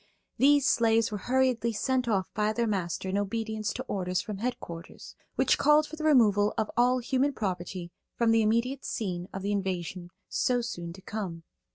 These slaves were hurriedly sent off by their master in obedience to orders from headquarters, which called for the removal of all human property from the immediate scene of the invasion so soon to come.